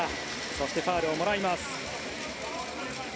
そしてファウルをもらいます。